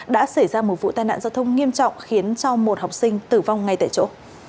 đã xảy ra một vụ tai nạn giao thông nghiêm trọng khiến cho một học sinh tử vong ngay tại chỗ